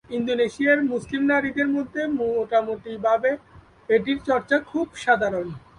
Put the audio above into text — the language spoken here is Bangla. ইন্দোনেশিয়ার মুসলিম নারীদের মধ্যে মোটামুটি ভাবে এটির চর্চা খুব সাধারণ।